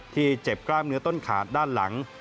เจ็บกล้ามเนื้อต้นขาดด้านหลัง